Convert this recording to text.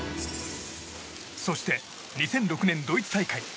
そして、２００６年ドイツ大会。